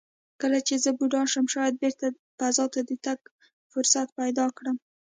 کله چې زه بوډۍ شم، شاید بېرته فضا ته د تګ فرصت پیدا کړم."